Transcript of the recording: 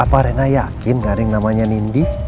apa rena yakin gak ada yang namanya nindi